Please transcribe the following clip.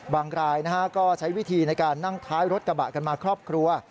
รายก็ใช้วิธีในการนั่งท้ายรถกระบะกันมาครอบครัว